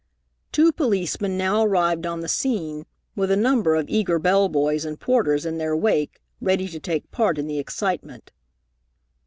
Two policemen now arrived on the scene, with a number of eager bell boys and porters in their wake, ready to take part in the excitement.